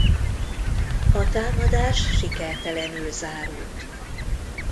A támadás sikertelenül zárult.